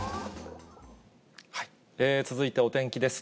続いてお天気です。